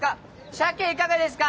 鮭いかがですか！